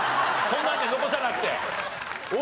そんなんで残さなくて。